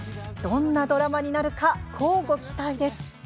どんなドラマになるか乞うご期待です。